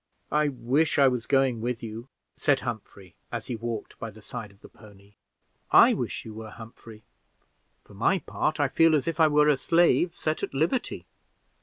"I wish I was going with you," said Humphrey, as he walked by the side of the pony. "I wish you were, Humphrey: for my part, I feel as if I were a slave set at liberty.